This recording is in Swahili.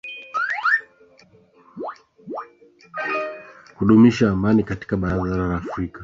kudumisha amani katika bara la afrika mfano kama sisi tanzania